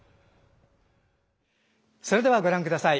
それではご覧ください。